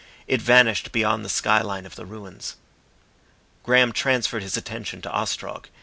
It vanished beyond the skyline of the ruins. Graham transferred his attention to Ostrog.